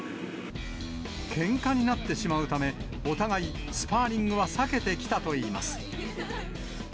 けんかになってしまうため、お互い、スパーリングは避けてきたといいます。